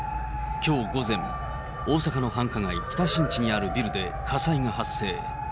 きょう午前、大阪の繁華街、北新地にあるビルで火災が発生。